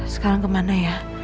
sekarang kemana ya